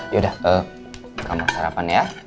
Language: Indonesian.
ya sudah kamar sarapan ya